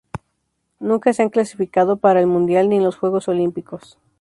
Nunca se han clasificado para el Mundial ni los Juegos Olímpicos.